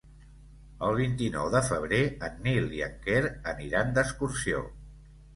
El vint-i-nou de febrer en Nil i en Quer aniran d'excursió.